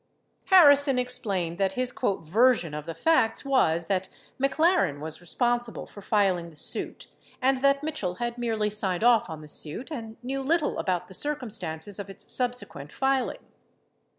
24 Harrison explained that his "version" of the facts was that McLaren was responsible for filing the suit and that Mitchell had merely signed off on the suit and knew little about the circumstances of its subsequent filing.